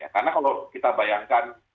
karena kalau kita bayangkan